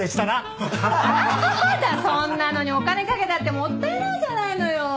そんなのにお金かけたってもったいないじゃないのよ。